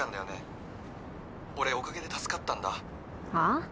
「俺おかげで助かったんだ」はあ？